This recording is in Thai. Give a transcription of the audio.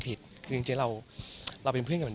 ก็มีไปคุยกับคนที่เป็นคนแต่งเพลงแนวนี้